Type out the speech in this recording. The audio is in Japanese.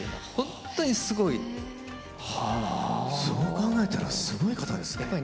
そう考えたらすごい方ですね。